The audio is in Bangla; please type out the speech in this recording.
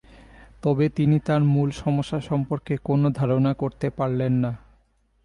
তবে তিনি তাঁর মূল সমস্যা সম্পর্কে কোনো ধারণা করতে পারলেন না।